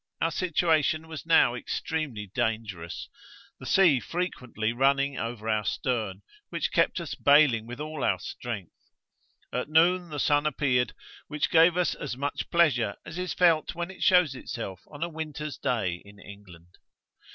Our situation was now extremely dangerous, the sea frequently running over our stern, which kept us baling with all our strength. At noon the sun appeared, which gave us as much pleasure as is felt when it shows itself on a winter's day in England.